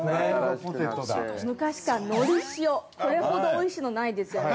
◆昔からのり塩、これほどおいしいのないですよね。